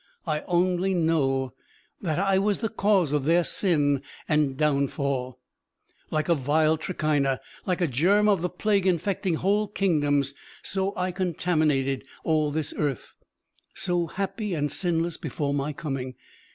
I only know that I was the cause of their sin and downfall. Like a vile trichina, like a germ of the plague infecting whole kingdoms, so I contaminated all this earth, so happy and sinless before my coming.